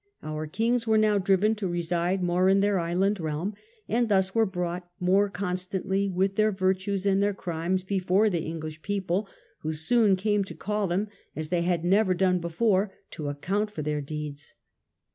Our kings were now driven to reside more in The English their island realm, and thus were brought barons. moTe Constantly with their virtues and their crimes before the English people, who soon came to call them, as they had never done before, to account for their deeds.